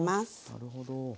なるほど。